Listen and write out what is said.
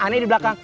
ana di belakang